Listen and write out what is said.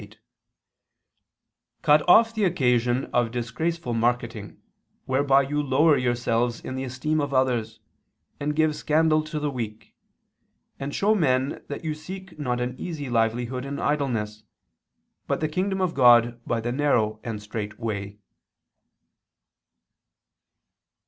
28): "Cut off the occasion of disgraceful marketing whereby you lower yourselves in the esteem of others, and give scandal to the weak: and show men that you seek not an easy livelihood in idleness, but the kingdom of God by the narrow and strait way."